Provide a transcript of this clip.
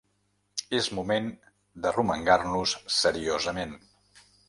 És moment d’arromangar-nos seriosament